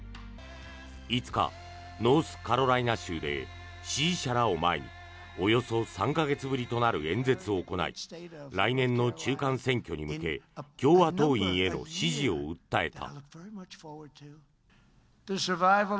５日、ノースカロライナ州で支持者らを前におよそ３か月ぶりとなる演説を行い来年の中間選挙に向け共和党員への支持を訴えた。